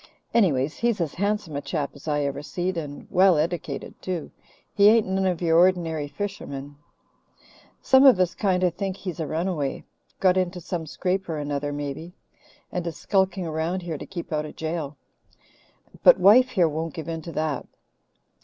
Anyways, he's as handsome a chap as I ever seed, and well eddicated too. He ain't none of your ordinary fishermen. Some of us kind of think he's a runaway got into some scrape or another, maybe, and is skulking around here to keep out of jail. But wife here won't give in to that."